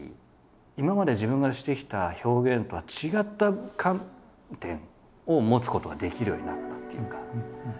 今まで自分がしてきた表現とは違った観点を持つことができるようになったっていうか。